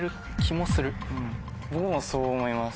僕もそう思います。